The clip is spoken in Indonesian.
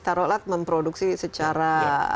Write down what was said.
taruhlah memproduksi secara